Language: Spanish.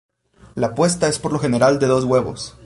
La puesta es por lo general de dos huevos.